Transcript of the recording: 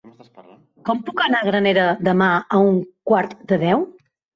Com puc anar a Granera demà a un quart de deu?